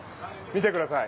見てください。